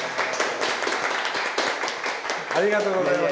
ありがとうございます。